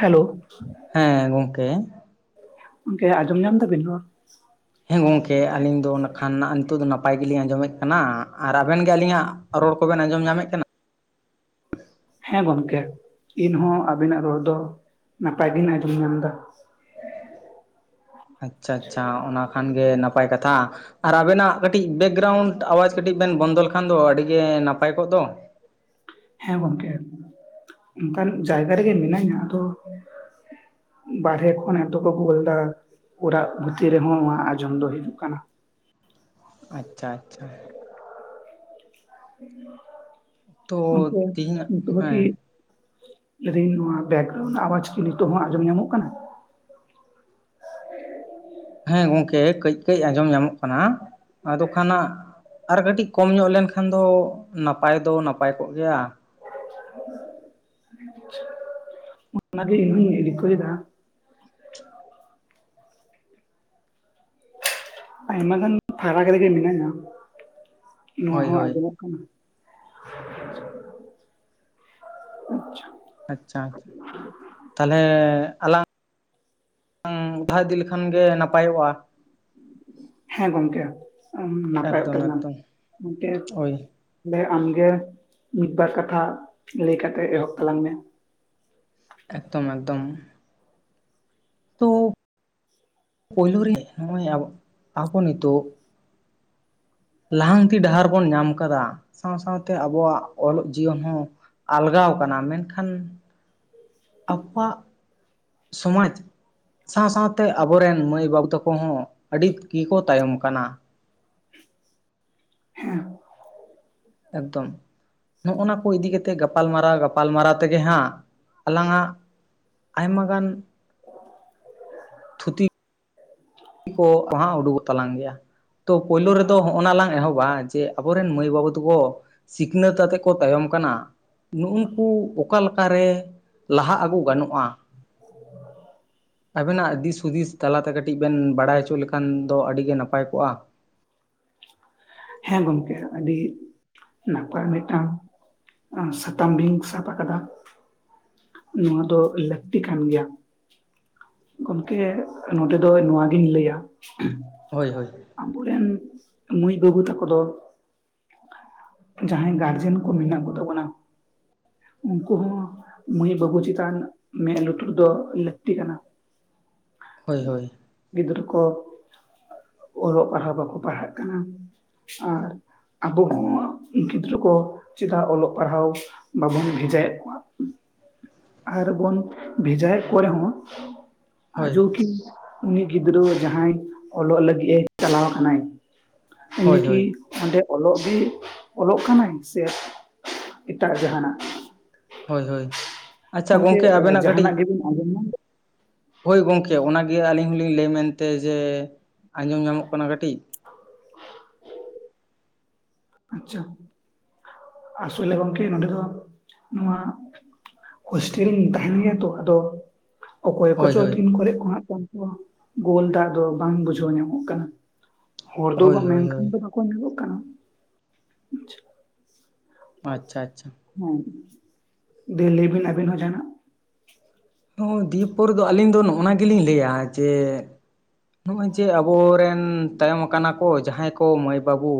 Hello ᱦᱮᱸ ᱜᱚᱝᱠᱮ ᱜᱚᱝᱠᱮ ᱟᱸᱡᱚᱢ ᱧᱟᱢ ᱫᱟᱵᱤᱱ ᱨᱚᱲ᱾ ᱦᱮᱸ ᱜᱚᱝᱠᱮ ᱟᱹᱞᱤᱧ ᱫᱚ ᱱᱟᱜ ᱠᱷᱟᱱ ᱱᱤᱛᱚᱜ ᱫᱚ ᱱᱟᱯᱟᱭ ᱜᱮᱞᱤᱧ ᱟᱸᱡᱚᱢᱮᱫ ᱠᱟᱱᱟ ᱟᱨ ᱟᱵᱮᱱ ᱜᱮ ᱟᱹᱞᱤᱧᱟᱜ ᱨᱚᱲ ᱠᱚᱵᱮᱱ ᱟᱸᱡᱚᱢ ᱧᱟᱢᱮᱫ ᱠᱟᱱᱟ᱾ ᱦᱮᱸ ᱜᱚᱝᱠᱮ ᱤᱱᱦᱚᱸ ᱟᱵᱤᱱᱟᱜ ᱨᱚᱲ ᱫᱚ ᱱᱟᱯᱟᱭ ᱜᱤᱧ ᱟᱸᱡᱚᱢ ᱧᱟᱢ ᱮᱫᱟ ᱾ ᱟᱪᱪᱷᱟ ᱟᱪᱪᱷᱟ ᱚᱱᱟ ᱠᱷᱟᱱ ᱜᱮ ᱱᱟᱯᱟᱭ ᱠᱟᱛᱷᱟ ᱾ ᱟᱨ ᱟᱵᱮᱱᱟᱜ ᱠᱟᱹᱴᱤᱡ ᱵᱮᱠᱜᱨᱟᱣᱩᱱᱰ ᱟᱣᱟᱡᱽ ᱠᱟᱹᱴᱤᱡ ᱵᱮᱱ ᱵᱚᱱᱫᱚ ᱞᱮᱠᱷᱟᱱ ᱫᱚ ᱟᱹᱰᱤ ᱜᱮ ᱱᱟᱯᱟᱭ ᱠᱚᱜ ᱫᱚ ᱾ ᱦᱮᱸ ᱜᱚᱢᱠᱮ, ᱚᱱᱠᱟᱱ ᱡᱟᱭᱜᱟ ᱨᱮᱜᱮ ᱢᱤᱱᱟᱹᱧᱟ ᱟᱫᱚ ᱵᱟᱨᱦᱮ ᱠᱷᱚᱱ ᱮᱛᱚ ᱠᱚ ᱜᱳᱞᱮᱫᱟ ᱾ ᱚᱨᱟᱜ ᱵᱷᱤᱛᱤᱨ ᱨᱮᱦᱚᱸ ᱱᱚᱶᱟ ᱟᱸᱡᱚᱢ ᱫᱚ ᱦᱤᱡᱩᱜ ᱠᱟᱱᱟ᱾ ᱟᱪᱪᱷᱟ ᱟᱪᱪᱷᱟ ᱛᱚ ᱚᱱᱛᱮ ᱛᱤᱦᱤᱧᱟᱜ ᱡᱚᱛᱚ ᱵᱟᱠᱤ ᱦᱮᱸ ᱞᱟᱹᱭ ᱫᱤᱧ ᱱᱚᱣᱟ ᱵᱮᱠᱜᱨᱟᱣᱩᱱ ᱨᱮᱱᱟᱜ ᱟᱣᱟᱡᱽ ᱠᱤ ᱱᱤᱛᱚᱜ ᱦᱚᱸ ᱟᱸᱡᱚᱢ ᱧᱟᱢᱚᱜ ᱠᱟᱱᱟ᱾ ᱦᱮᱸ ᱜᱚᱝᱠᱮ ᱠᱟᱹᱡ ᱠᱟᱹᱡ ᱟᱸᱡᱚᱢ ᱧᱟᱢᱚᱜ ᱠᱟᱱᱟ, ᱟᱫᱚ ᱠᱷᱟᱱ ᱦᱟᱸᱜ ᱟᱨ ᱠᱟᱴᱤᱡ ᱠᱚᱢ ᱧᱚᱜ ᱞᱮᱱᱠᱷᱟᱱ ᱫᱚ ᱱᱟᱯᱟᱭ ᱫᱚ ᱱᱟᱯᱟᱭ ᱠᱚᱜ ᱜᱮᱭᱟ᱾ ᱚᱱᱟ ᱜᱮ ᱤᱧ ᱦᱩᱧ ᱨᱤᱠᱟᱹᱭᱮᱫᱟ᱾ ᱟᱭᱢᱟ ᱜᱟᱱ ᱯᱷᱟᱨᱟᱠ ᱨᱮᱜᱮ ᱢᱤᱱᱟᱹᱧᱟ ᱱᱚᱣᱟ ᱦᱳᱭ ᱦᱚᱸ ᱦᱳᱭ ᱟᱸᱡᱚᱢᱚᱜ ᱠᱟᱱᱟ᱾ ᱟᱪᱪᱷᱟ ᱟᱪᱪᱷᱟ ᱛᱟᱞᱦᱮ ᱟᱞᱟᱝ ᱚᱫᱷᱟ ᱤᱫᱤ ᱞᱮᱠᱷᱟᱱ ᱜᱮ ᱱᱟᱯᱟᱭᱚᱜ-ᱟ᱾ ᱦᱮᱸ ᱜᱚᱝᱠᱮ ᱚᱸ ᱱᱟᱯᱟᱭᱚᱜ ᱮᱠᱫᱚᱢ ᱛᱟᱞᱟᱝᱟ ᱮᱠᱫᱚᱢ ᱚᱱᱛᱮ ᱳᱭ ᱛᱟᱞᱦᱮ ᱟᱢ ᱜᱮ ᱢᱤᱫ ᱵᱟᱨ ᱠᱟᱛᱷᱟ ᱞᱮᱭ ᱠᱟᱛᱮᱜ ᱮᱦᱚᱵ ᱛᱟᱞᱟᱝ ᱢᱮ᱾ ᱮᱠᱛᱚᱢ ᱮᱠᱫᱚᱢ᱾ ᱛᱚ ᱯᱳᱭᱞᱳ ᱨᱮ ᱦᱚᱸᱜ-ᱚᱭ ᱟᱵᱚᱜ ᱟᱵᱚ ᱱᱤᱛᱳᱜ ᱞᱟᱦᱟᱱᱛᱤ ᱰᱟᱦᱟᱨ ᱵᱚᱱ ᱧᱟᱢ ᱠᱟᱫᱟ ᱥᱟᱶ ᱥᱟᱶᱛᱮ ᱟᱵᱚᱣᱟᱜ ᱚᱞᱚᱜ ᱡᱤᱭᱚᱱ ᱦᱚᱸ ᱟᱞᱜᱟᱣ ᱠᱟᱱᱟ ᱢᱮᱱᱠᱷᱟᱱ [unintelligible] ᱥᱚᱢᱟᱡᱽ, ᱥᱟᱶ ᱥᱟᱶᱛᱮ ᱟᱵᱚᱨᱮᱱ ᱢᱟᱹᱭ ᱵᱟᱹᱵᱩ ᱛᱟᱠᱚ ᱦᱚᱸ ᱟᱹᱰᱤᱛ ᱜᱮᱠᱚ ᱛᱟᱭᱚᱢ ᱠᱟᱱᱟ᱾ ᱦᱮᱸ ᱮᱠᱫᱚᱢ᱾ ᱱᱚᱜ-ᱚ ᱱᱟ ᱠᱚ ᱤᱫᱤ ᱠᱟᱛᱮ ᱜᱟᱯᱟᱞᱢᱟᱨᱟᱣ ᱜᱟᱯᱟᱞᱢᱟᱨᱟᱣ ᱛᱮᱜᱮ ᱦᱟᱸᱜ, ᱟᱞᱟᱝᱟᱜ ᱟᱭᱢᱟ ᱜᱟᱱ, ᱛᱷᱩᱛᱤ ᱠᱚ ᱚᱦᱟᱸᱜ ᱩᱰᱩᱠᱚᱜ ᱛᱟᱞᱟᱝ ᱜᱮᱭᱟ᱾ ᱛᱚ ᱯᱳᱭᱞᱳ ᱨᱮᱫᱚ ᱦᱚᱸᱜ-ᱚ ᱱᱟ ᱞᱟᱝ ᱮᱦᱚᱵᱟ ᱡᱮ ᱟᱵᱚᱨᱮᱱ ᱢᱟᱹᱭ ᱵᱟᱹᱵᱩ ᱛᱟᱠᱚ ᱥᱤᱠᱷᱱᱟᱹᱛ ᱟᱛᱮᱫ ᱠᱚ ᱛᱟᱭᱚᱢ ᱠᱟᱱᱟ᱾ ᱱᱩᱜ-ᱩᱱᱠᱩ ᱚᱠᱟ ᱞᱮᱠᱟᱨᱮ ᱞᱟᱦᱟᱜ ᱟᱹᱜᱩ ᱜᱟᱱᱚᱜ-ᱟ? ᱟᱵᱮᱱᱟᱜ ᱫᱤᱥ ᱦᱩᱫᱤᱥ ᱛᱟᱞᱟ ᱛᱮ ᱠᱟᱹᱴᱤᱡ ᱵᱮᱱ ᱵᱟᱲᱟᱭ ᱦᱚᱪᱚ ᱞᱮᱠᱷᱟᱱ ᱫᱚ ᱟᱰᱤ ᱜᱮ ᱱᱟᱯᱟᱭ ᱠᱚᱜ-ᱟ᱾ ᱦᱮᱸ ᱜᱚᱝᱠᱮ ᱟᱹᱰᱤ ᱱᱟᱯᱟᱭ ᱢᱤᱫᱴᱟᱝ ᱟ ᱥᱟᱛᱟᱢ ᱵᱤᱝ ᱥᱟᱯ ᱟᱠᱟᱫᱟ᱾ ᱱᱚᱣᱟ ᱫᱚ ᱞᱟᱹᱠᱛᱤ ᱠᱟᱱ ᱜᱮᱭᱟ᱾ ᱜᱚᱢᱠᱮ ᱱᱚᱰᱮ ᱫᱚᱭ ᱱᱚᱣᱟ ᱜᱤᱧ ᱞᱟᱹᱭᱟ᱾ ᱦᱳᱭ ᱦᱳᱭ᱾ ᱟᱵᱚ ᱨᱮᱱ ᱢᱟᱹᱭ ᱵᱟᱹᱵᱩ ᱛᱟᱠᱚ ᱫᱚ, ᱡᱟᱦᱟᱸᱭ ᱜᱟᱨᱡᱮᱱ ᱠᱚ ᱢᱮᱱᱟᱜ ᱠᱚ ᱛᱟᱵᱚᱱᱟ, ᱩᱝᱠᱩ ᱦᱚᱸ ᱢᱟᱹᱭ ᱵᱟᱹᱵᱩ ᱪᱮᱛᱟᱱ ᱢᱮᱜ ᱞᱩᱛᱩᱨ ᱫᱚ ᱞᱟᱹᱠᱛᱤ ᱠᱟᱱᱟ᱾ ᱦᱳᱭ ᱦᱳᱭ᱾ ᱜᱤᱫᱽᱨᱟᱹ ᱠᱚ ᱚᱞᱚᱜ ᱯᱟᱲᱦᱟᱣ ᱵᱟᱠᱚ ᱯᱟᱲᱦᱟᱜ ᱠᱟᱱᱟ᱾ ᱟᱨ ᱟᱵᱚ ᱦᱚᱸ ᱜᱤᱫᱽᱨᱟᱹ ᱠᱚ ᱪᱮᱫᱟᱜ ᱚᱞᱚᱜ ᱯᱟᱲᱦᱟᱣ ᱵᱟᱵᱚᱱ ᱵᱷᱮᱡᱟᱭᱮᱜ ᱠᱚᱣᱟ᱾ ᱟᱨ ᱵᱚᱱ ᱵᱷᱮᱡᱟᱭᱮᱜ ᱠᱚ ᱨᱮᱦᱚᱸ ᱦᱳᱭ ᱟᱡᱳᱣ ᱠᱤ ᱩᱱᱤ ᱜᱤᱫᱽᱨᱟᱹ ᱡᱟᱦᱟᱸᱭ ᱚᱞᱚᱜ ᱞᱟᱜᱤᱜ-ᱮ ᱪᱟᱞᱟᱣ ᱟᱠᱟᱱᱟᱭ, ᱦᱳᱭ ᱩᱱᱤ ᱠᱤ ᱦᱳᱭ ᱚᱸᱰᱮ ᱚᱞᱚᱜ ᱜᱤ ᱚᱞᱚᱜ ᱠᱟᱱᱟᱭ ᱥᱮ ᱮᱴᱟᱜ ᱡᱟᱦᱟᱱᱟᱜ᱾ ᱦᱳᱭ ᱦᱳᱭ, ᱟᱪᱪᱷᱟ ᱜᱚᱢᱠᱮ ᱜᱚᱝᱠᱮ ᱟᱵᱮᱱᱟᱜ ᱠᱟᱹᱴᱤᱡ ᱡᱟᱦᱟᱱᱟᱜ ᱜᱮᱵᱤᱱ ᱟᱸᱡᱚᱢ ᱧᱟᱢ ᱫᱟᱢ? ᱦᱳᱭ ᱜᱚᱝᱠᱮ ᱚᱱᱟ ᱜᱮ ᱟᱞᱤᱧ ᱦᱚᱸᱞᱤᱧ ᱞᱟᱹᱭ ᱢᱮᱱᱛᱮ ᱡᱮ ᱟᱸᱡᱚᱢ ᱧᱟᱢᱚᱜ ᱠᱟᱱᱟ ᱠᱟᱴᱤᱡ᱾ ᱟᱪᱪᱷᱟ ᱟᱥᱚᱞᱮ ᱜᱚᱝᱠᱮ ᱱᱚᱰᱮ ᱫᱚ ᱱᱚᱣᱟ ᱦᱳᱥᱴᱮᱞ ᱞᱤᱧ ᱛᱟᱦᱮᱱ ᱜᱮᱭᱟ ᱛᱚ ᱟᱫᱚ, ᱚᱠᱚᱭ ᱦᱳᱭ ᱠᱚᱪᱚ ᱦᱳᱭ ᱛᱤᱱ ᱠᱚᱨᱮᱜ ᱠᱚ ᱦᱟᱸᱜ ᱠᱷᱟᱱ ᱜᱚ ᱜᱳᱞᱫᱟ ᱟᱫᱚ ᱵᱟᱝ ᱵᱩᱡᱷᱟᱹᱣ ᱧᱟᱢᱚᱜ ᱠᱟᱱᱟ, ᱦᱚᱲ ᱫᱚ ᱦᱳᱭ [inaudible] ᱦᱳᱭ ᱢᱮᱱᱠᱷᱟᱱ ᱦᱳᱭ ᱫᱚ [inaudible] ᱠᱚ ᱧᱮᱞᱚᱜ ᱠᱟᱱᱟ᱾ ᱟᱪᱪᱷᱟ᱾ ᱟᱪᱪᱷᱟ, ᱟᱪᱪᱷᱟ᱾ ᱦᱩᱸ, ᱫᱤᱭᱮ ᱞᱟᱹᱭ ᱵᱤᱱ ᱟᱹᱵᱤᱱ ᱦᱚᱸ ᱡᱟᱦᱱᱟᱜ᱾ ᱫᱤᱭ ᱯᱚᱨ ᱫᱚ ᱟᱹᱞᱤᱧ ᱫᱚ ᱱᱚᱜ-ᱱᱟ ᱜᱮᱞᱤᱧ ᱞᱟᱹᱭᱟ ᱡᱮ ᱱᱚᱜᱼᱚᱭ ᱡᱮ ᱟᱵᱚᱨᱮᱱ ᱛᱟᱭᱚᱢ ᱠᱟᱱᱟ ᱠᱚ ᱡᱟᱦᱟᱸᱭ ᱠᱚ ᱢᱟᱹᱭ ᱵᱟᱹᱵᱩ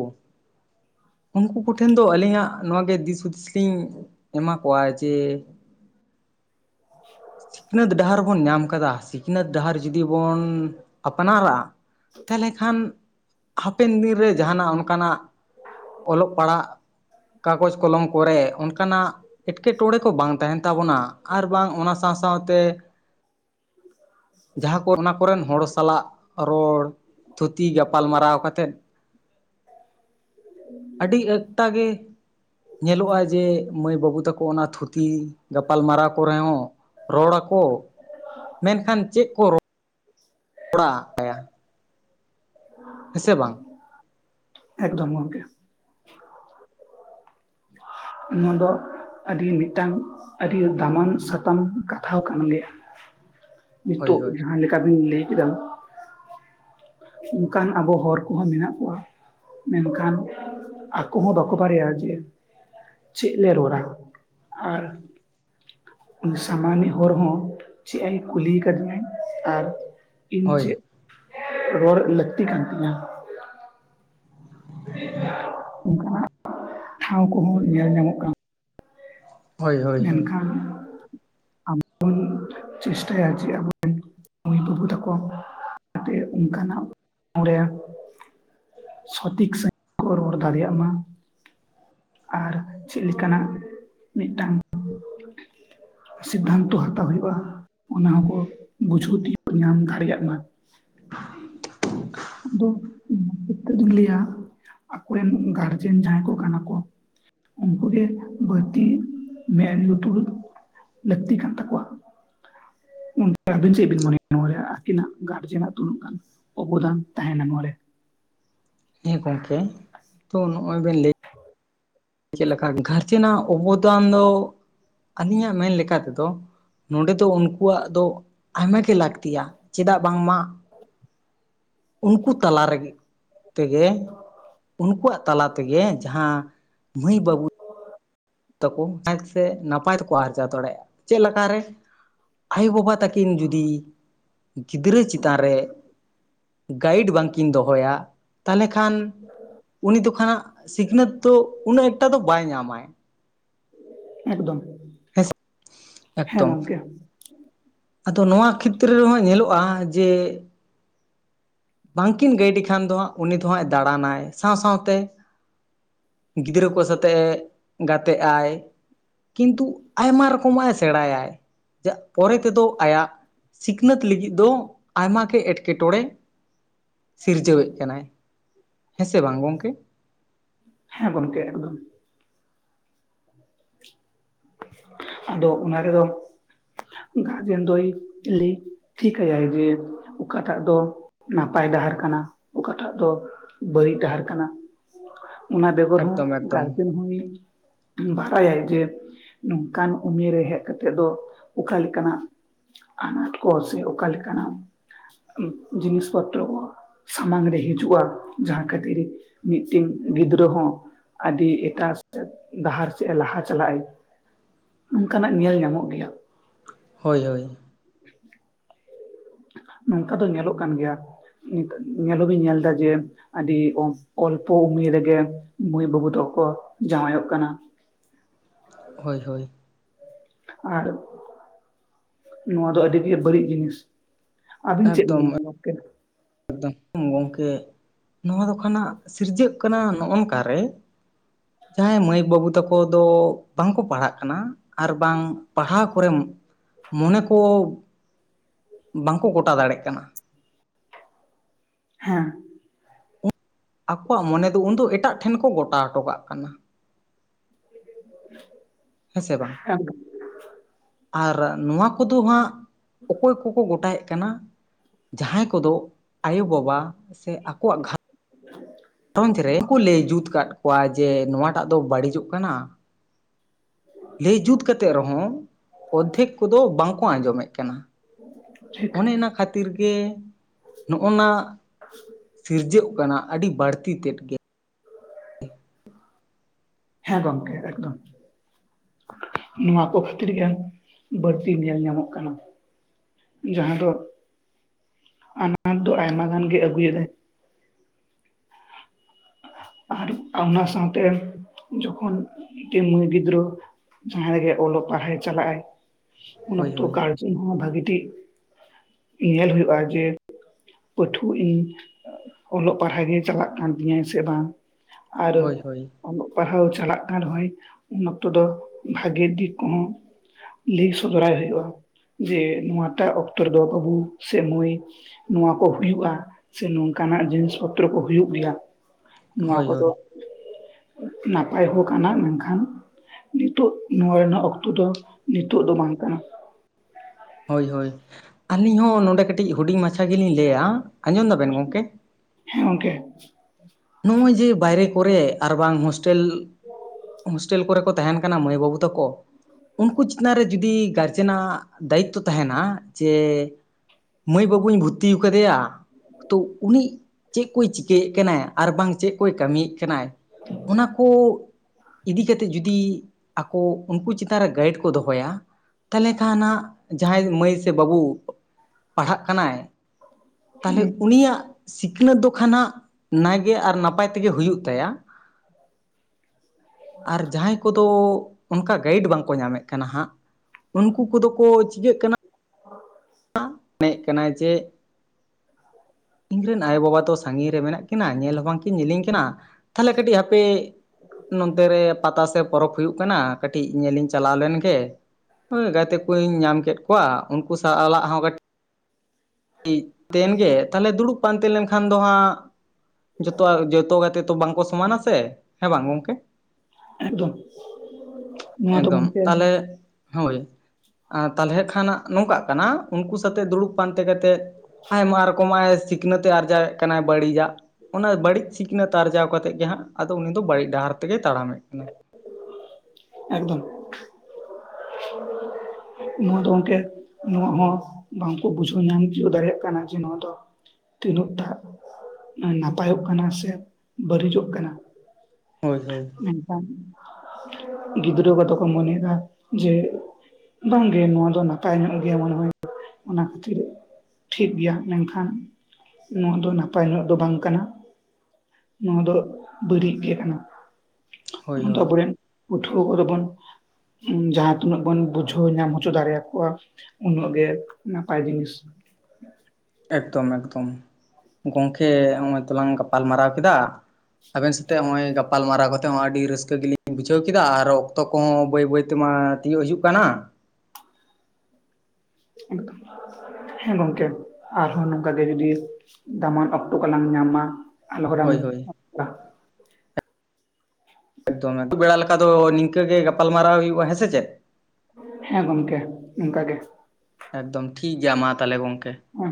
ᱩᱱᱠᱩ ᱠᱚᱴᱷᱮᱱ ᱫᱚ ᱟᱹᱞᱤᱧᱟᱜ ᱱᱚᱣᱟ ᱜᱮ ᱫᱤᱥ ᱦᱩᱫᱤᱥ ᱞᱤᱧ ᱮᱢᱟ ᱠᱚᱣᱟ ᱡᱮ ᱥᱤᱠᱷᱱᱟᱹᱛ ᱰᱟᱦᱟᱨ ᱵᱚᱱ ᱧᱟᱢ ᱠᱟᱫᱟ ᱥᱤᱠᱷᱱᱟᱹᱛ ᱰᱟᱦᱟᱨ ᱡᱩᱫᱤ ᱵᱚᱱ ᱟᱯᱱᱟᱨᱟᱜ, ᱛᱟᱦᱚᱞᱮ ᱠᱷᱟᱱ ᱦᱟᱯᱮᱱ ᱫᱤᱱᱨᱮ ᱡᱟᱦᱟᱱᱟᱜ ᱚᱱᱠᱟᱱᱟᱜ ᱚᱞᱚᱜ ᱯᱟᱲᱟᱜ ᱠᱟᱜᱚᱡᱽ ᱠᱚᱞᱚᱢ ᱠᱚᱨᱮ ᱚᱱᱠᱟᱱᱟᱜ ᱮᱴᱠᱮᱴᱚᱬᱮ ᱠᱚ ᱵᱟᱝ ᱛᱟᱦᱮᱱ ᱛᱟᱵᱚᱱᱟ, ᱟᱨ ᱵᱟᱝ ᱚᱱᱟ ᱥᱟᱶ ᱥᱟᱶᱛᱮ ᱡᱟᱦᱟᱸ ᱠᱚ ᱚᱱᱟ ᱠᱚᱨᱮᱱ ᱦᱚᱲ ᱥᱟᱞᱟᱜ ᱨᱚᱲ, ᱛᱷᱩᱛᱤ ᱜᱟᱯᱟᱞ ᱢᱟᱨᱟᱣ ᱠᱟᱛᱮᱜ ᱟᱹᱰᱤ ᱮᱠᱴᱟ ᱜᱮ ᱧᱮᱞᱚᱜᱼᱟ ᱡᱮ ᱢᱟᱹᱭ ᱵᱟᱹᱵᱩ ᱛᱟᱠᱚ ᱚᱱᱟ ᱛᱷᱩᱛᱤ ᱜᱟᱯᱟᱞ ᱢᱟᱨᱟᱣ ᱠᱚᱨᱮ ᱦᱚᱸ ᱨᱚᱲ ᱟᱠᱚ ᱢᱮᱱᱠᱷᱟᱱ ᱪᱮᱫ ᱠᱚ ᱨᱚᱲ ᱚᱲᱟᱜ ᱟᱭᱟ ᱦᱮᱸ ᱥᱮ ᱵᱟᱝ? ᱮᱠᱫᱚᱢ ᱜᱚᱝᱠᱮ᱾ ᱱᱚᱣᱟ ᱫᱚ ᱟᱹᱰᱤ ᱢᱤᱫᱴᱟᱝ ᱟᱹᱰᱤ ᱫᱟᱢᱟᱱ ᱥᱟᱛᱟᱢ ᱠᱟᱛᱷᱟᱣ ᱠᱟᱱ ᱜᱮᱭᱟ᱾ [inaudible] ᱱᱤᱛᱚᱜ ᱡᱟᱦᱟᱸ ᱞᱮᱠᱟ ᱵᱤᱱ ᱞᱟᱹᱭ ᱠᱮᱫᱟ᱾ ᱚᱱᱠᱟᱱ ᱟᱵᱚ ᱦᱚᱲ ᱠᱚᱦᱚᱸ ᱢᱮᱱᱟᱜ ᱠᱚᱣᱟ᱾ ᱢᱮᱱᱠᱷᱟᱱ ᱟᱠᱚ ᱦᱚᱸ ᱵᱟᱠᱚ ᱵᱟᱲᱟᱭᱟ ᱡᱮ ᱪᱮᱫ ᱞᱮ ᱨᱚᱨᱟ, ᱟᱨ ᱩᱱᱤ ᱥᱟᱢᱟᱱᱤᱡ ᱦᱚᱨ ᱦᱚᱸ ᱪᱮᱫ ᱮ ᱠᱩᱞᱤ ᱠᱟᱫᱤᱧᱟᱭ ᱟᱨ ᱤᱧ ᱦᱳᱭ ᱪᱮᱫ ᱨᱚᱲ ᱞᱟᱹᱠᱛᱤ ᱠᱟᱱ ᱛᱤᱧᱟᱹ᱾ ᱚᱱᱠᱟᱱᱟᱜ ᱴᱷᱟᱶ ᱠᱚᱦᱚᱸ ᱧᱮᱞ ᱧᱟᱢᱚᱜ ᱠᱟᱱ ᱦᱳᱭ ᱦᱳᱭ ᱢᱮᱱ ᱦᱳᱭ ᱠᱷᱟᱱ ᱟᱵᱚ ᱵᱚᱱ ᱪᱮᱥᱴᱟᱭᱟ ᱡᱮ ᱟᱵᱚ ᱨᱮᱱ ᱢᱟᱹᱭ ᱵᱟᱹᱵᱩ ᱛᱟᱠᱚ ᱡᱟᱛᱮ ᱚᱱᱠᱟᱱᱟᱜ ᱨᱚᱲᱮᱭᱟ ᱥᱚᱴᱷᱤᱠ ᱥᱟᱦᱤᱡ ᱠᱚ ᱨᱚᱲ ᱫᱟᱲᱮᱭᱟᱜ ᱢᱟ᱾ ᱟᱨ ᱪᱮᱫ ᱞᱮᱠᱟᱱᱟᱜ ᱢᱤᱫᱴᱟᱝ [inaudible] ᱥᱤᱫᱽᱫᱷᱟᱱᱛᱚ ᱦᱟᱛᱟᱣ ᱦᱩᱭᱩᱜᱼᱟ, ᱚᱱᱟ ᱦᱚᱸᱠᱚ ᱩᱴᱷᱟᱹᱣ ᱛᱤᱭᱚᱜ ᱧᱟᱢ ᱫᱟᱲᱮᱭᱟ-ᱜ ᱢᱟ᱾ ᱟᱫᱚ ᱚᱱᱟ ᱦᱤᱥᱟᱹᱵ ᱛᱮ ᱫᱩᱧ ᱞᱟᱹᱭᱟ ᱟᱠᱚᱨᱮᱱ ᱜᱟᱨᱡᱮᱱ ᱡᱟᱦᱟᱸᱭ ᱠᱚ ᱠᱟᱱᱟ ᱠᱚ ᱩᱱᱠᱩᱜ ᱜᱮ ᱵᱟᱹᱲᱛᱤ ᱢᱮᱫ ᱞᱩᱛᱩᱨ ᱞᱟᱹᱠᱛᱤ ᱠᱟᱱ ᱛᱟᱠᱚᱣᱟ᱾ ᱟᱹᱵᱤᱱ ᱪᱮᱜ ᱵᱤᱱ ᱢᱚᱱᱮᱭᱟ ᱱᱚᱨᱮ ᱟᱹᱠᱤᱱᱟᱜ ᱜᱟᱨᱡᱮᱱᱟᱜ ᱛᱚᱱᱟᱹᱜ ᱜᱟᱱ ᱚᱵᱚᱫᱟᱱ ᱛᱟᱦᱮᱱᱟ ᱱᱚᱣᱟ ᱨᱮ? ᱦᱮᱸ ᱜᱚᱝᱠᱮ, ᱛᱚ ᱱᱚᱜᱼᱚᱭ ᱵᱮᱱ ᱞᱟᱹᱭ ᱪᱮᱫ ᱞᱮᱠᱟ ᱜᱷᱟᱨᱡᱮ ᱱᱟᱜ ᱚᱵᱚᱫᱟᱱ ᱫᱚ, ᱟᱹᱞᱤᱧᱟᱜ ᱢᱮᱱ ᱞᱮᱠᱟ ᱛᱮᱫᱚ, ᱱᱚᱰᱮ ᱫᱚ ᱩᱱᱠᱩᱣᱟᱜ ᱫᱚ ᱟᱭᱢᱟ ᱜᱮ ᱞᱟᱹᱠᱛᱤᱭᱟ ᱾ᱪᱮᱫᱟᱜ ᱵᱟᱝᱢᱟ ᱩᱱᱠᱩ ᱛᱟᱞᱟ ᱨᱮᱜᱮ ᱛᱮᱜᱮ ᱩᱱᱠᱩᱣᱟᱜ ᱛᱟᱞᱟ ᱛᱮᱜᱮ ᱡᱟᱦᱟᱸ ᱢᱟᱹᱭ ᱵᱟᱹᱵᱩ [inaudible] ᱛᱟᱠᱚ ᱥᱮ ᱱᱟᱯᱟᱭ ᱛᱮᱠᱚ ᱟᱨᱡᱟᱣ ᱫᱟᱲᱮᱭᱟᱜᱼᱟ, ᱪᱮᱫ ᱞᱮᱠᱟ ᱨᱮ? ᱟᱭᱳᱵᱟᱵᱟ ᱛᱟᱹᱠᱤᱱ ᱡᱩᱫᱤ ᱜᱤᱫᱽᱨᱟᱹ ᱪᱮᱛᱟᱱ ᱨᱮ ᱜᱟᱭᱤᱰ ᱵᱟᱝᱠᱤᱱ ᱫᱚᱦᱚᱭᱟ ᱛᱟᱦᱚᱞᱮ ᱠᱷᱟᱱ, ᱩᱱᱤ ᱫᱚ ᱠᱷᱟ ᱥᱤᱠᱷᱱᱟᱹᱛ ᱫᱚ ᱩᱱᱟᱹᱜ ᱮᱠᱴᱟ ᱫᱚ ᱵᱟᱭ ᱧᱟᱢᱟᱭ᱾ ᱮᱠᱫᱚᱢ᱾ ᱦᱮ ᱥᱮ ᱦᱮᱸ ᱮᱠᱫᱚᱢ ᱜᱚᱢᱠᱮ ᱟᱫᱚ ᱱᱚᱣᱟ ᱠᱷᱮᱛᱨᱮ ᱨᱮᱦᱚ ᱧᱮᱞᱚᱜᱼᱟ ᱡᱮ ᱵᱟᱝᱠᱤᱱ ᱜᱟᱭᱤᱰ ᱠᱷᱟᱱ ᱫᱚ ᱦᱟᱸᱜ ᱩᱱᱤ ᱫᱚᱦᱟᱸᱜ ᱫᱟᱬᱟᱱᱟᱭ ᱥᱟᱶᱟ ᱥᱟᱶᱟᱛᱮ ᱜᱤᱫᱽᱨᱟᱹ ᱠᱚ ᱥᱟᱣᱟᱛᱮ ᱜᱟᱛᱮ ᱟᱭ ᱠᱤᱱᱛᱩ ᱟᱭᱢᱟ ᱨᱚᱠᱚᱢᱟᱜ ᱮ ᱥᱮᱬᱟᱭᱟᱭ ᱯᱚᱨᱮ ᱛᱮᱫᱚ ᱟᱭᱟᱜ ᱥᱤᱠᱷᱱᱟᱹᱛ ᱞᱟᱹᱜᱤᱫ ᱫᱚ ᱟᱭᱢᱟᱜ ᱜᱮ ᱮᱸᱴᱠᱮᱴᱚᱬᱮ ᱥᱤᱨᱡᱟᱹᱣ ᱮᱫ ᱠᱟᱱᱟᱭ ᱦᱮᱸ ᱥᱮ ᱵᱟᱝ ᱜᱚᱝᱠᱮ? ᱦᱮᱸ ᱜᱚᱢᱠᱮ ᱮᱠᱫᱚᱢ᱾ ᱟᱫᱚ ᱚᱱᱟ ᱨᱮᱫᱚ ᱜᱟᱨᱡᱮᱱ ᱫᱚᱭ ᱞᱮᱭ ᱴᱷᱤᱠᱟᱭᱟᱭ ᱡᱮ ᱚᱠᱟᱴᱟᱜ ᱫᱚ ᱱᱟᱯᱟᱭ ᱰᱟᱦᱟᱨ ᱠᱟᱱᱟ ᱚᱠᱟᱴᱟᱜ ᱫᱚ ᱵᱟᱹᱲᱤᱡ ᱰᱟᱦᱟᱨ ᱠᱟᱱᱟ᱾ [unintelligible] ᱚᱱᱟ ᱵᱮᱜᱚᱨ ᱦᱚ ᱮᱠᱫᱚᱢ ᱮᱠᱫᱚᱢ ᱜᱟᱨᱡᱮᱱ ᱦᱚ ᱵᱟᱲᱟᱭᱟᱭ ᱡᱮ ᱱᱚᱝᱠᱟᱱ ᱩᱢᱮᱨ ᱨᱮ ᱦᱮᱡ ᱠᱟᱛᱮᱫ ᱫᱚ ᱚᱠᱟ ᱞᱮᱠᱟᱱᱟᱜ ᱟᱱᱟᱴ ᱠᱚᱥᱮ ᱚᱠᱟ ᱞᱮᱠᱟᱱᱟ ᱡᱤᱱᱤᱥ ᱯᱚᱛᱨᱚ ᱠᱚ᱾ ᱥᱟᱢᱟᱝ ᱨᱮ ᱦᱤᱡᱩᱜᱼᱟ ᱡᱟᱦᱟᱸ ᱠᱷᱟᱹᱛᱤᱨ ᱢᱤᱫᱴᱤᱱ ᱜᱤᱫᱽᱨᱟᱹ ᱦᱚ ᱟᱹᱰᱤ ᱮᱴᱟᱜ ᱥᱮᱫ ᱰᱟᱦᱟᱨ ᱥᱮᱫ ᱮ ᱞᱟᱦᱟ ᱪᱟᱞᱟᱜᱼᱟ᱾ ᱚᱝ ᱠᱟᱱᱟᱜ ᱧᱮᱞ ᱧᱟᱢᱚᱜ ᱜᱮᱭᱟ᱾ ᱦᱳᱭ ᱦᱳᱭ᱾ [unintelligible] ᱱᱚᱝ ᱠᱟ ᱫᱚ ᱧᱮᱞᱚᱜ ᱠᱟᱱ ᱜᱮᱭᱟ ᱧᱮᱞ ᱦᱚᱸᱵᱤᱱ ᱧᱮᱞᱫᱟ ᱡᱮ ᱟᱹᱰᱤ ᱚᱞᱯᱚ ᱩᱢᱮᱨ ᱨᱮᱜᱮ ᱢᱟᱹᱭ ᱵᱟᱵᱩ ᱛᱟᱠᱚ ᱡᱟᱶᱟᱭᱚᱜ ᱠᱟᱱᱟ᱾ ᱦᱳᱭ ᱦᱳᱭ᱾ ᱟᱨ ᱱᱚᱣᱟ ᱫᱚ ᱟᱹᱰᱤ ᱵᱟᱹᱲᱤᱪ ᱡᱤᱱᱤᱥ, ᱟᱹᱵᱤᱱ ᱪᱮᱫ ᱵᱤᱱ ᱢᱮᱱ ᱟ ᱜᱟᱢᱠᱮ? ᱮᱠᱫᱟᱢ ᱜᱚᱝᱠᱮ ᱱᱚᱣᱟ ᱫᱚ ᱠᱟᱱᱟ ᱥᱤᱨᱡᱟᱹᱜ ᱠᱟᱱᱟ ᱱᱚᱜᱼᱚᱭ ᱱᱚᱝᱠᱟ ᱨᱮ ᱡᱟᱦᱟᱸᱭ ᱢᱟᱹᱭ ᱵᱟᱹᱵᱩ ᱛᱟᱠᱚ ᱫᱚ ᱵᱟᱝ ᱠᱚ ᱯᱟᱲᱦᱟᱜ ᱠᱟᱱᱟ᱾ ᱟᱨ ᱵᱟᱝ ᱯᱟᱲᱦᱟᱣ ᱠᱚᱨᱮ ᱢᱚᱱᱮ ᱠᱚ ᱵᱟᱝᱠᱚ ᱜᱚᱴᱟ ᱫᱟᱲᱮᱜ ᱠᱟᱱᱟ᱾ ᱦᱮᱸ᱾ ᱟᱠᱚᱣᱟᱜ ᱢᱚᱱᱮ ᱫᱚ ᱩᱱ ᱫᱚ ᱮᱴᱟᱜ ᱴᱷᱮᱱ ᱠᱚ ᱜᱚᱴᱟ ᱦᱚᱴᱚ ᱠᱟᱜ ᱠᱟᱱᱟ᱾ [unintelligible] ᱦᱮᱸ ᱥᱮ ᱵᱟᱝ ᱮᱠᱫᱚᱢ ᱟᱨ ᱱᱚᱣᱟ ᱠᱚᱫᱚ ᱦᱟᱸᱜ ᱚᱠᱚᱭ ᱠᱚᱠᱚ ᱜᱳᱴᱟᱭᱮᱫ ᱠᱟᱱᱟ ᱡᱟᱦᱟᱸᱭ ᱠᱚᱫᱚ ᱟᱭᱳ ᱵᱟᱵᱟ ᱥᱮ ᱟᱠᱚᱣᱟᱜ ᱜᱷᱟᱨᱚᱸᱡᱽ ᱜᱷᱟᱨᱚᱸᱡᱽ ᱨᱮ ᱵᱟᱠᱚ ᱞᱟᱹᱭ ᱡᱩᱛ ᱠᱟᱫ ᱠᱚᱣᱟ ᱡᱮ ᱱᱚᱣᱟᱴᱟᱜ ᱫᱚ ᱵᱟᱹᱲᱤᱡᱚᱜ ᱠᱟᱱᱟ᱾ ᱞᱟᱹᱭ ᱡᱩᱛ ᱠᱟᱛᱮᱫ ᱨᱮᱦᱚ ᱚᱨᱫᱷᱮᱠ ᱠᱚᱫᱚ ᱵᱟᱝᱠᱚ ᱟᱸᱡᱚᱢᱮᱫ ᱠᱟᱱᱟ᱾ ᱴᱷᱤᱠ ᱚᱱᱮ ᱚᱱᱟ ᱠᱷᱟᱹᱛᱤᱨ ᱜᱮ ᱱᱚᱜᱽᱚᱱᱟ ᱥᱤᱨᱡᱟᱹᱜ ᱠᱟᱱᱟ ᱟᱹᱰᱤ ᱵᱟᱹᱲᱛᱤ ᱛᱮᱫ ᱜᱮ᱾ ᱦᱮᱸ ᱜᱚᱢᱠᱮ ᱮᱠᱫᱚᱢ᱾ ᱱᱚᱣᱟ ᱠᱚ ᱠᱷᱟᱹᱛᱤᱨ ᱜᱮ ᱵᱟᱹᱲᱛᱤ ᱧᱮᱞ ᱧᱟᱢᱚᱜ ᱠᱟᱱᱟ᱾ ᱡᱟᱦᱟᱸ ᱫᱚ ᱟᱱᱟᱴ ᱫᱚ ᱟᱭᱢᱟ ᱜᱟᱱ ᱜᱮ ᱟᱹᱜᱩᱭ ᱮᱫᱟᱭ ᱟᱨ ᱚᱱᱟ ᱥᱟᱶᱛᱮ ᱡᱚᱠᱷᱚᱱ ᱢᱤᱫᱴᱤᱱ ᱢᱟᱹᱭ ᱜᱤᱫᱽᱨᱟᱹ ᱡᱟᱦᱟᱸᱭ ᱜᱮ ᱚᱞ ᱯᱟᱲᱦᱟᱜ ᱪᱟᱞᱟᱜ ᱟᱭ ᱩᱱ ᱦᱳᱭ ᱚᱠᱛᱚ ᱦᱳᱭ ᱜᱟᱨᱡᱮᱱ ᱦᱚᱸ ᱵᱷᱟᱹᱜᱤ ᱴᱷᱤᱠ ᱧᱮᱞ ᱦᱩᱭᱩᱜᱼᱟ ᱡᱮ ᱯᱟᱹᱴᱷᱩᱣᱟᱹ ᱤᱧ, ᱚᱞᱚᱜ ᱯᱟᱲᱦᱟᱜ ᱜᱮ ᱪᱟᱞᱟᱜ ᱠᱟᱱ ᱛᱤᱧᱟ ᱥᱮ ᱵᱟᱝ ᱟᱨᱼᱼ ᱦᱳᱭ ᱦᱳᱭ ᱚᱞᱚᱜ ᱯᱟᱲᱦᱟᱣ ᱪᱟᱞᱟᱜ ᱠᱟᱱ ᱨᱮᱦᱚᱸ ᱩᱱ ᱚᱠᱛᱚ ᱫᱚ ᱵᱷᱟᱜᱮ ᱫᱤᱠ ᱠᱚᱦᱚᱸ ᱞᱟᱹᱭ ᱥᱚᱫᱚᱨᱟᱭ ᱦᱩᱭᱩᱜᱼᱟ ᱡᱮ ᱱᱚᱣᱟᱴᱟᱜ ᱚᱠᱛᱚ ᱨᱮᱫᱚ ᱵᱟᱹᱵᱩ ᱥᱮ ᱢᱟᱹᱭ ᱱᱚᱣᱟ ᱠᱚ ᱦᱩᱭᱩᱜᱼᱟ ᱥᱮ ᱱᱚᱝᱠᱟᱱᱟᱜ ᱡᱤᱱᱤᱥ ᱯᱚᱛᱨᱚ ᱠᱚ ᱦᱩᱭᱩᱜ ᱜᱮᱭᱟ, ᱱᱚᱣᱟ ᱦᱳᱭ ᱠᱚᱫᱚ ᱦᱳᱭ ᱱᱟᱯᱟᱭ ᱦᱚᱸ ᱠᱟᱱᱟ ᱢᱮᱱᱠᱷᱟᱱ, ᱱᱤᱛᱚᱜ ᱱᱚᱣᱟ ᱨᱮᱱᱟᱜ ᱚᱠᱛᱚ ᱫᱚ ᱱᱤᱛᱚᱜ ᱫᱚ ᱵᱟᱝ ᱠᱟᱱᱟ᱾ ᱦᱳᱭ ᱦᱳᱭ ᱟᱹᱞᱤᱧ ᱦᱚᱸ ᱱᱚᱰᱮ ᱠᱟᱹᱴᱤᱡ ᱦᱩᱰᱤᱧ ᱢᱟᱪᱷᱟ ᱜᱮᱞᱤᱧ ᱞᱟᱹᱭᱟ ᱟᱸᱡᱚᱢ ᱫᱟᱵᱮᱱ ᱜᱚᱢᱠᱮ? ᱦᱮᱸ ᱜᱚᱝᱠᱮ ᱱᱚᱜᱼᱚᱭ ᱡᱮ ᱵᱟᱭᱨᱮ ᱠᱚᱨᱮ ᱟᱨ ᱵᱟᱝ ᱦᱳᱥᱴᱮᱞ ᱦᱳᱥᱴᱮᱞ ᱠᱚᱨᱮ ᱠᱚ ᱛᱟᱦᱮᱱ ᱠᱟᱱᱟ ᱢᱟᱹᱭ ᱵᱟᱹᱵᱩ ᱛᱟᱠᱚ, ᱩᱱᱠᱩ ᱪᱮᱛᱟᱱ ᱨᱮ ᱡᱩᱫᱤ ᱜᱟᱨᱡᱮᱱᱟᱜ ᱫᱟᱭᱤᱛᱛᱚ ᱛᱟᱦᱮᱱᱟ ᱡᱮ ᱢᱟᱹᱭ ᱵᱟᱹᱵᱩᱧ ᱵᱷᱩᱨᱛᱤ ᱟᱠᱟᱣᱫᱮᱭᱟᱼᱼ ᱛᱚ ᱩᱱᱤ ᱪᱮᱫ ᱠᱚᱭ ᱪᱤᱠᱟᱹᱭᱮᱫ ᱠᱟᱱᱟᱭ ᱵᱟᱝ ᱪᱮᱫ ᱠᱚᱭ ᱠᱟᱹᱢᱤᱭᱮᱫ ᱠᱟᱱᱟ ᱚᱱᱟ ᱠᱚ ᱤᱫᱤ ᱠᱟᱛᱮ ᱡᱩᱫᱤ ᱟᱠᱚ ᱩᱱᱠᱩ ᱪᱮᱛᱟᱱ ᱨᱮ ᱜᱟᱭᱤᱰ ᱠᱚ ᱫᱚᱦᱚᱭᱟ, ᱛᱟᱦᱚᱞᱮ ᱠᱷᱟᱱ ᱡᱟᱦᱟᱸᱭ ᱢᱟᱹᱭ ᱥᱮ ᱵᱟᱹᱵᱩ ᱯᱟᱲᱦᱟᱜ ᱠᱟᱱᱟᱭᱼᱼ ᱛᱟᱦᱞᱮ ᱩᱱᱤᱭᱟᱜ ᱥᱤᱠᱷᱱᱟᱹᱛ ᱫᱚ ᱠᱷᱟᱱᱟᱸ ᱱᱟᱭ ᱜᱮ ᱟᱨ ᱱᱟᱯᱟᱭ ᱛᱮᱜᱮ ᱦᱩᱭᱩᱜ ᱛᱟᱭᱟ ᱟᱨ ᱡᱟᱦᱟᱸᱭ ᱠᱚᱫᱚ ᱚᱱᱠᱟ ᱜᱟᱭᱤᱰ ᱵᱟᱝᱠᱚ ᱧᱟᱢᱮᱫ ᱠᱟᱱᱟ ᱦᱟᱸᱜ, ᱩᱱᱠᱩ ᱠᱚᱫᱚ ᱠᱚ ᱪᱤᱠᱟᱹᱜ ᱠᱟᱱᱟ, [inaudible] ᱠᱟᱱᱟᱭ ᱡᱮ ᱤᱧᱨᱮ ᱨᱮᱱ ᱟᱭᱳᱼᱵᱟᱵᱟ ᱫᱚ ᱥᱟᱺᱜᱤᱧ ᱨᱮ ᱢᱮᱱᱟᱜ ᱠᱤᱱᱟ ᱧᱮᱞ ᱦᱚ ᱵᱟᱝᱠᱤᱱ ᱧᱮᱞᱤᱧ ᱠᱟᱱᱟ ᱛᱟᱦᱚᱞᱮ ᱠᱟᱹᱴᱤᱡ ᱦᱟᱯᱮ, ᱱᱚᱛᱮᱨᱮ ᱯᱟᱛᱟ ᱥᱮ ᱯᱚᱨᱚᱵᱽ ᱦᱩᱭᱩᱜ ᱠᱟᱱᱟ ᱠᱟᱹᱴᱤᱡ ᱧᱮᱞᱤᱧ ᱪᱟᱞᱟᱣ ᱞᱮᱱᱜᱮ᱾ ᱜᱟᱛᱮ ᱠᱩᱧ ᱧᱟᱢ ᱠᱮᱫ ᱠᱚᱣᱟ ᱩᱱᱠᱩ ᱥᱟᱞᱟᱜ ᱦᱚᱸ ᱠᱟᱹ ᱴᱤᱡ ᱛᱮᱱᱜᱮ ᱛᱟᱦᱞᱮ ᱫᱩᱲᱩᱵ ᱯᱟᱱᱛᱮ ᱞᱮᱱᱠᱷᱟᱱ ᱫᱚ ᱦᱟᱸᱜᱼᱼ ᱡᱚᱛᱚᱣᱟᱜ ᱡᱚᱛᱚ ᱜᱟᱛᱮ ᱫᱚ ᱵᱟᱝᱠᱚ ᱥᱚᱢᱟᱱᱟ ᱥᱮ ᱦᱮᱸ ᱵᱟᱝ ᱜᱚᱝᱠᱮ? ᱮᱠᱫᱚᱢ ᱱᱚᱣᱟ ᱫᱚ ᱮᱠᱫᱚᱢ ᱜᱚᱝᱠᱮ ᱛᱟᱦᱚᱞᱮ ᱦᱳᱭ ᱛᱟᱦᱚᱞᱮ ᱠᱷᱱᱟᱜ ᱱᱚᱝᱠᱟᱜ ᱠᱟᱱᱟ ᱩᱱᱠᱩ ᱥᱟᱛᱮᱜ ᱫᱩᱲᱩᱵ ᱯᱟᱱᱛᱮ ᱠᱟᱛᱮᱫ ᱟᱭᱢᱟ ᱨᱚᱠᱚᱢᱟᱜ ᱥᱤᱠᱷᱱᱟᱹᱛ ᱟᱨᱡᱟᱣᱮᱫ ᱠᱟᱱᱟᱭ ᱵᱟᱹᱲᱤᱡᱟᱜ ᱚᱱᱟ ᱵᱟᱹᱲᱤᱡ ᱥᱤᱠᱷᱱᱟᱹᱛ ᱟᱨᱡᱟᱣ ᱠᱟᱛᱮᱫ ᱜᱮ ᱦᱟᱸᱜ ᱟᱫᱚ ᱩᱱᱤ ᱫᱚ ᱵᱟᱹᱲᱤᱡ ᱰᱟᱦᱟᱨ ᱛᱮᱜᱮ ᱛᱟᱲᱟᱢᱮᱫ ᱠᱟᱱᱟ᱾ ᱮᱠᱫᱚᱢ᱾ ᱱᱚᱣᱟ ᱫᱚ ᱜᱚᱝᱠᱮ ᱱᱚᱣᱟ ᱦᱚᱸ ᱵᱟᱝᱠᱚ ᱵᱩᱡᱷᱟᱹᱣ ᱧᱟᱢᱪᱚ ᱫᱟᱲᱮᱭᱟᱜ ᱠᱟᱱᱟ ᱡᱮ ᱱᱚᱣᱟ ᱫᱚ ᱛᱤᱱᱟᱹᱜ ᱴᱟᱜ ᱱᱟᱯᱟᱭᱚᱜ ᱠᱟᱱᱟ ᱥᱮ ᱵᱟᱹᱲᱤᱡᱚᱜ ᱠᱟᱱᱟ ᱦᱳᱭ ᱦᱳᱭ ᱢᱮᱱᱠᱷᱟᱱ ᱜᱤᱫᱽᱨᱟᱹ ᱠᱚᱫᱚ ᱠᱚ ᱢᱚᱱᱮᱭ ᱫᱟ ᱡᱮ ᱵᱟᱝ ᱜᱮ ᱱᱚᱣᱟ ᱫᱚ ᱱᱟᱯᱟᱭ ᱧᱚᱜ ᱜᱮᱭᱟ ᱢᱚᱱ ᱦᱚᱭ ᱚᱱᱟ ᱠᱷᱟᱹᱛᱤᱨ ᱴᱷᱤᱠ ᱜᱮᱭᱟ ᱢᱮᱱᱠᱷᱟᱱ ᱱᱚᱣᱟ ᱫᱚ ᱱᱟᱯᱟᱭ ᱧᱚᱜ ᱫᱚ ᱵᱟᱝ ᱠᱟᱱᱟ, ᱱᱚᱣᱟ ᱫᱚ ᱵᱟᱹᱲᱤᱡ ᱜᱮ ᱠᱟᱱᱟ᱾ ᱦᱳᱭ ᱚᱱᱟ ᱫᱚ ᱦᱳᱭ ᱟᱵᱚᱨᱮᱱ ᱯᱟᱹᱴᱷᱩᱣᱟᱹ ᱠᱚᱫᱚ ᱵᱚᱱ ᱡᱟᱦᱟᱸ ᱛᱤᱱᱟᱹᱜ ᱵᱚᱱ ᱵᱩᱡ ᱡᱷᱟᱹᱣ ᱧᱟᱢ ᱦᱚᱪᱚ ᱫᱟᱲᱮᱭᱟᱠᱚᱣᱟ ᱩᱱᱟᱹᱜ ᱜᱮ ᱱᱟᱯᱟᱭ ᱡᱤᱱᱤᱥ ᱮᱠᱫᱚᱢ ᱮᱠᱫᱚᱢ ᱜᱚᱢᱠᱮ ᱱᱚᱜᱚᱭ ᱛᱚᱞᱟᱝ ᱜᱟᱯᱟᱞᱢᱟᱨᱟᱣ ᱠᱮᱫᱟ, ᱟᱵᱮᱱ ᱥᱟᱛᱮᱜ ᱦᱚᱸᱜᱼᱚᱭ ᱜᱟᱯᱟᱞ ᱢᱟᱨᱟᱣ ᱠᱟᱛᱮ ᱦᱚᱸ ᱟᱹᱰᱤ ᱨᱟᱹᱥᱠᱟᱹ ᱜᱮᱞᱤᱧ ᱵᱩᱡᱷᱟᱹᱣ ᱠᱮᱫᱟ ᱟᱨ ᱚᱠᱛᱚ ᱠᱚᱦᱚᱸ ᱵᱟᱹᱭ ᱵᱟᱹᱭ ᱛᱮᱢᱟᱼᱼ ᱛᱤᱭᱳᱜ ᱦᱤᱡᱩᱜ ᱠᱟᱱᱟ᱾ [inaudible] ᱦᱮᱸ ᱜᱚᱝᱠᱮ ᱟᱨᱦᱚᱸ ᱱᱚᱝᱠᱟ ᱜᱮ [inaudible] ᱫᱟᱢᱟᱱ ᱚᱠᱛᱚ ᱠᱚᱞᱟᱝ ᱧᱟᱢᱟ᱾ ᱦᱳᱭ ᱦᱳᱭ [inaudible] ᱮᱠᱫᱚᱢ ᱮᱠᱫᱚᱢ ᱵᱮᱲᱟ ᱞᱮᱠᱟ ᱫᱚ ᱱᱤᱝᱠᱟᱹ ᱜᱮ ᱜᱟᱯᱟᱞ ᱢᱟᱨᱟᱣ ᱦᱩᱭᱩᱜᱼᱟ ᱦᱮᱸ ᱥᱮ ᱪᱮᱫ? ᱦᱮ ᱜᱚᱝᱠᱮ ᱱᱚᱝᱠᱟ ᱜᱮ᱾ ᱮᱠᱫᱚᱢ ᱴᱷᱤᱠ ᱜᱮᱭᱟ ᱢᱟ ᱛᱟᱦᱚᱞᱮ ᱜᱚᱢᱠᱮ᱾ ᱚ᱾